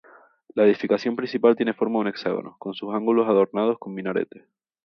La edificación principal tiene forma de un hexágono, con sus ángulos adornados con minaretes.